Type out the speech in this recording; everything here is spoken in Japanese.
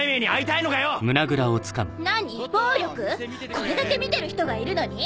これだけ見てる人がいるのに？